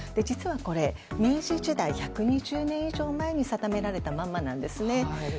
実はこれ明治時代、１００年以上前に定められたままなんですね。